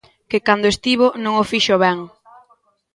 Que cando estivo non o fixo ben.